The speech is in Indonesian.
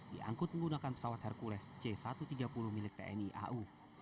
diangkut menggunakan pesawat hercules c satu ratus tiga puluh milik tni au